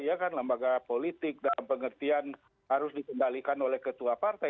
ya kan lembaga politik dalam pengertian harus dikendalikan oleh ketua partai